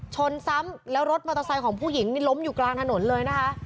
ชนซ้ำแล้วรถมอเตอร์ไซค์ของผู้หญิงนี่ล้มอยู่กลางถนนเลยนะคะ